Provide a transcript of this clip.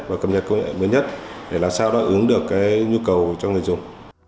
và cập nhật công nghệ mới nhất để làm sao đáp ứng được cái nhu cầu cho người dùng